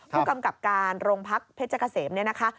ผู้กำกับการโรงพักเพชรเกษมเนี่ยนะคะ